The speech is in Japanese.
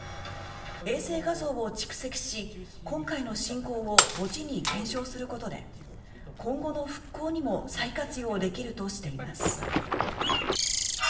衛星画像を蓄積し今回の侵攻を後に検証することで今後の復興にも再活用できるとしています。